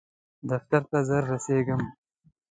دفتر ته ژر رسیږم